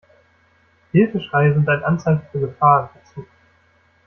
Hilfeschreie sind ein Anzeichen für Gefahr im Verzug.